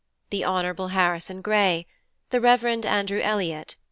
The Hon. Harrison Gray, | The Rev. Andrew Elliot, D.